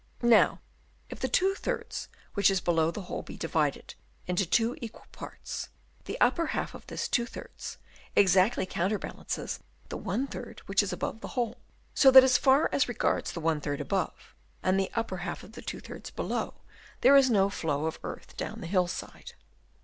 Now if the two thirds which is below the hole be divided into two equal parts, the upper half of this two thirds exactly counterbalances the one third which is above the hole, so that as far as regards the one third above and the upper half of the two thirds below, there is no flow of earth down the hill side.